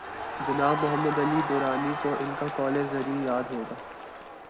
جناب محمد علی درانی کوان کا قول زریں یاد ہو گا۔